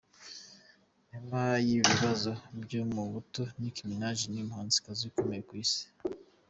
Nyuma y'ibi bibazo byo mu buto, Nick Minaj ni umuhanzikazi ukomeye ku isi.